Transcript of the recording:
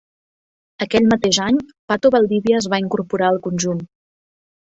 Aquell mateix any, Pato Valdivia es va incorporar al conjunt.